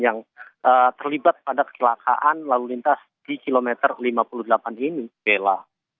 yang terlibat pada kecelakaan lalu lintas di kilometer lima puluh delapan ini bella